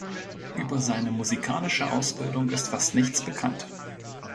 Über seine musikalische Ausbildung ist fast nichts bekannt.